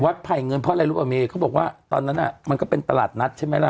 ไผ่เงินเพราะอะไรรู้ป่ะเมเขาบอกว่าตอนนั้นอ่ะมันก็เป็นตลาดนัดใช่ไหมล่ะ